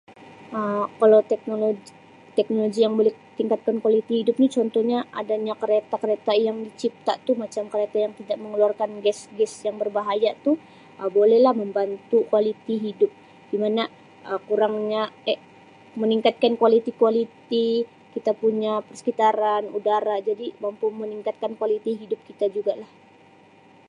Um Kalau tekno-teknolog meningkatkan kualiti hidup ni contohnya adanya kereta-kereta yang dicipta tu macam kereta yang tidak mengeluarkan gas-gas yang berbahaya tu Um bolehlah membantu kualiti hidup di mana Um kurangny Um meningkatkan kualiti-kualiti kita punya persekitaran udara jadi mampu meningkatkan kualiti hidup kita juga lah.